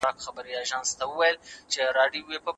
د ښځي طبيعت له نارينه سره څه فرق لري؟